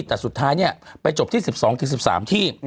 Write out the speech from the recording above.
แต่สุดท้ายไปจบที่๑๒๑๓ที่